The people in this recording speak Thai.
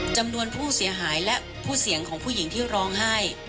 จำนวนผู้เสียหายและผู้เสียงของผู้หญิงที่ร้องไห้